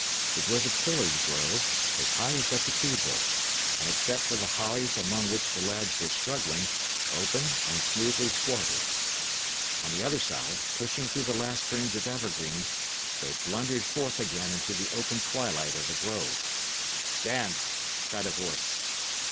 It was a pillared grove, as high as a cathedral, and except for the hollies among which the lads were struggling, open and smoothly swarded. On the other side, pushing through the last fringe of evergreen, they blundered forth again into the open twilight of the grove. "Stand!" cried a voice.